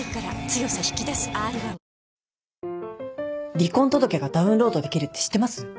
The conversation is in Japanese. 離婚届がダウンロードできるって知ってます？